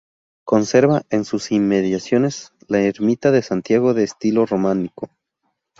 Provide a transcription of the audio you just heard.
Conserva en sus inmediaciones la Ermita de Santiago de estilo románico.